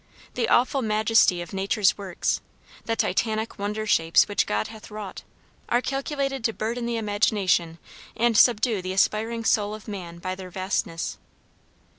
The awful majesty of nature's works, the Titanic wonder shapes which God hath wrought, are calculated to burden the imagination and subdue the aspiring soul of man by their vastness.